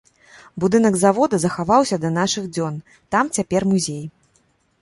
Будынак завода захаваўся да нашых дзён, там цяпер музей.